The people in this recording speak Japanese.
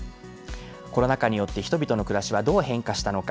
コロナ禍によって人々の暮らしはどう変化したのか。